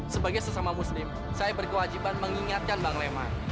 sebagai sesama muslim saya berkewajiban mengingatkan bang leman